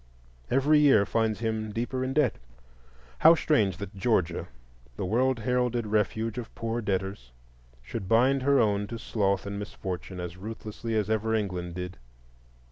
Every year finds him deeper in debt. How strange that Georgia, the world heralded refuge of poor debtors, should bind her own to sloth and misfortune as ruthlessly as ever England did!